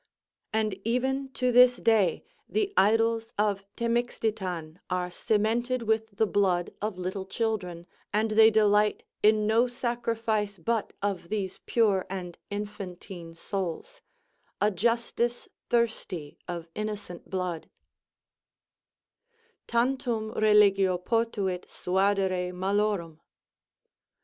And even to this day the idols of Themixtitan are cemented with the blood of little children, and they delight in no sacrifice but of these pure and infantine souls; a justice thirsty of innocent blood: Tantum religio potuit suadere maloram.